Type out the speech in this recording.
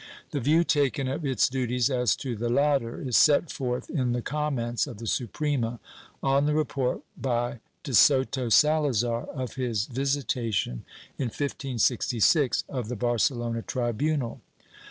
The view taken of its duties as to the latter is set forth in the comments of the Suprema on the report by de Soto Salazar of his visitation, in 1566, of the Barcelona tribunal.